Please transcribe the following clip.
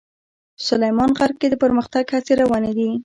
سلیمان غر کې د پرمختګ هڅې روانې دي.